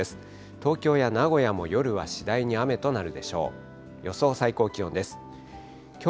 東京や名古屋も夜は次第に雨となるでしょう。